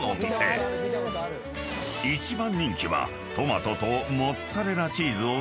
［一番人気はトマトとモッツァレラチーズを載せた］